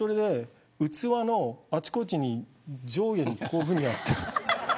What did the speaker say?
器のあちこちに上下にこういうふうにやって。